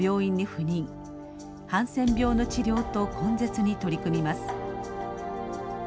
ハンセン病の治療と根絶に取り組みます。